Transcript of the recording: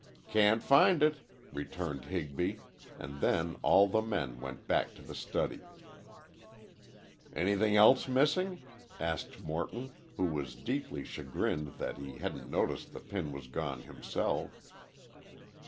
"Can't find it," returned Higby, and then all the men went back to the study. "Anything else missing?" asked Morton, who was deeply chagrined that he hadn't noticed the pin was gone himself.